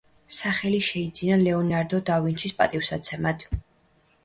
სახელი შეიძინა ლეონარდო და ვინჩის პატივსაცემად.